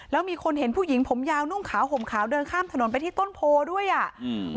แล้วมีคนเห็นผู้หญิงผมยาวนุ่งขาวห่มขาวเดินข้ามถนนไปที่ต้นโพด้วยอ่ะอืม